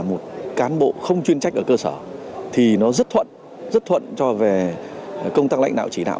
một cán bộ không chuyên trách ở cơ sở thì nó rất thuận rất thuận cho về công tác lãnh đạo chỉ đạo